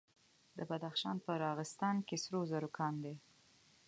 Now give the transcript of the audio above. د بدخشان په راغستان کې سرو زرو کان دی.